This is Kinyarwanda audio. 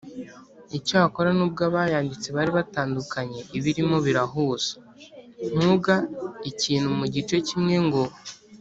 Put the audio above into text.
Icyakora nubwo abayanditse bari batandukanye ibirimo birahuza Nt uga ikintu mu gice kimwe ngo